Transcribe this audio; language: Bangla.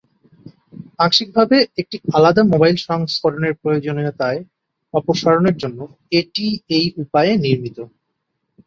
আংশিকভাবে একটি আলাদা মোবাইল সংস্করণের প্রয়োজনীয়তার অপসারণের জন্য এটি এই উপায়ে নির্মিত।